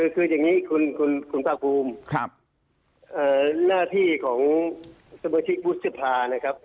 คืออย่างนี้คุณประภูมินะครับคุณต้องรู้เงี่ยหน้าที่ของสมชิกบุษฎภานะครับ